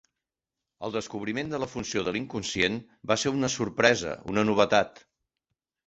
El descobriment de la funció de l'inconscient va ser una sorpresa, una novetat.